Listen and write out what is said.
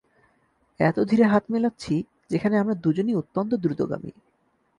এত ধীরে হাত মেলাচ্ছি যেখানে আমরা দুজনই অত্যন্ত দ্রুতগামী।